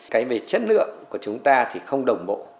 cái về chất lượng của chúng ta thì không đồng bộ